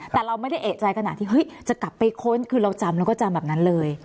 แต่เราไม่ได้เอกใจกระหน่าที่จะกลับไปค้นคือเราก็จำแบบนั้นเลย